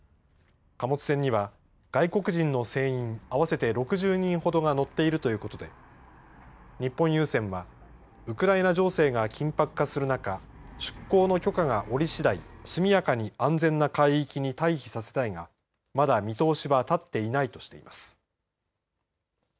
貨物船には外国人の船員合わせて６０人ほどが乗っているということで日本郵船はウクライナ情勢が緊迫化する中出港の許可が下りしだい速やかに安全な海域に退避させたいがまだ見通しは立っていないとしています。